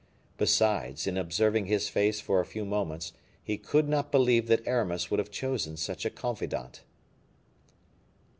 Besides, in observing his face for a few moments, he could not believe that Aramis would have chosen such a confidant.